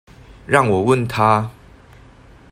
讓我問他